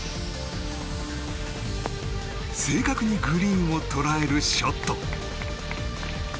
正確にグリーンを捉えるショット。